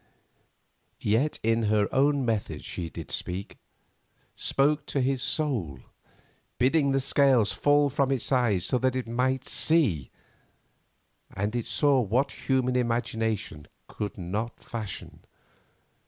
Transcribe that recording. Yet in her own method she did speak, spoke to his soul, bidding the scales fall from its eyes so that it might see. And it saw what human imagination could not fashion.